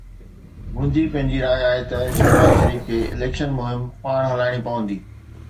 منهنجي پنهنجي راءِ آهي ته شهباز شريف کي اليڪشن مهم پاڻ هلائڻي پوندي.